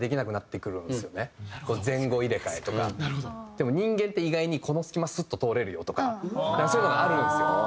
でも人間って意外にこの隙間スッと通れるよとかそういうのがあるんですよ。